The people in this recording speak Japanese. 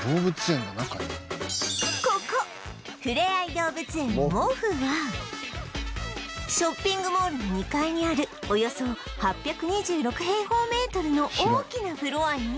ここふれあい動物園 Ｍｏｆｆ はショッピングモールの２階にあるおよそ８２６平方メートルの大きなフロアに